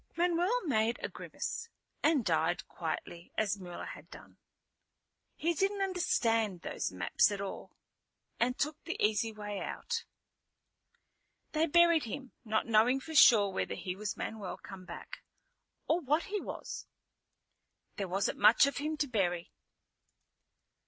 Manuel made a grimace, and died quietly as Mula had done. He didn't understand those maps at all, and took the easy way out. They buried him, not knowing for sure whether he was Manuel come back, or what he was. There wasn't much of him to bury.